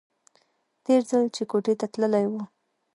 تېر ځل چې کوټې ته تللى و.